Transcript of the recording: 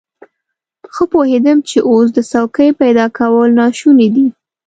ښه پوهېدم چې اوس د څوکۍ پيدا کول ناشوني دي.